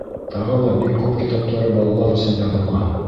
Тағы ла бик күп китаптары балалар өсөн яҙылған.